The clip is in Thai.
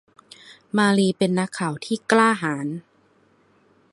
มารีเป็นนักข่าวที่กล้าหาญ